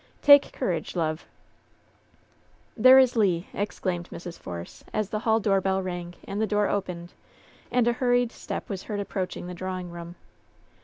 Take courage, love !" "There is Lei" exclaimed Mrs. Force, as the hall doorbell rang, and the door opened, and a hurried step was heard approaching the drawing room.